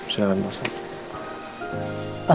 silahkan pak al